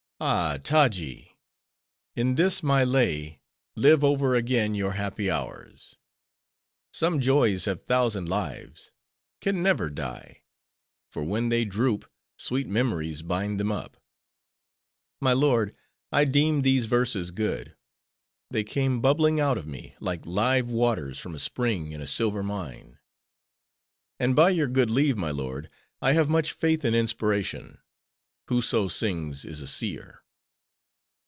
Ah, Taji! in this my lay, live over again your happy hours. Some joys have thousand lives; can never die; for when they droop, sweet memories bind them up.—My lord, I deem these verses good; they came bubbling out of me, like live waters from a spring in a silver mine. And by your good leave, my lord, I have much faith in inspiration. Whoso sings is a seer."